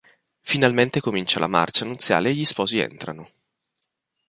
Finalmente comincia la marcia nuziale e gli sposi entrano.